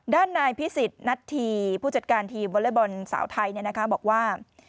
ด้านนายภิษฐ์นัดถีผู้จัดการทีมวอลเลอร์บอลสาวไทยเนี่ยนะคะบอกว่า